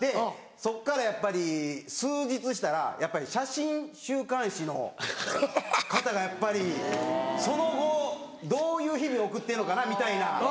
そっからやっぱり数日したら写真週刊誌の方がやっぱり「その後どういう日々を送ってんのかな」みたいな。